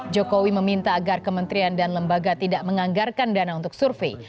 jokowi meminta agar kementerian dan lembaga tidak menganggarkan dana untuk survei